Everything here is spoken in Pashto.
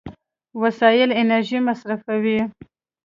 وسایل انرژي مصرفوي.